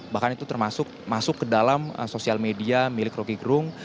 bahkan itu termasuk masuk ke dalam sosial media milik roky gerung